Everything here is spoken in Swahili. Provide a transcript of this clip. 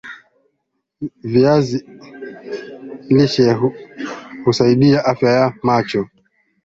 viazi lishe husaidia afya ya macho